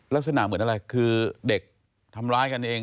ลักษณะเหมือนอะไรคือเด็กทำร้ายกันเอง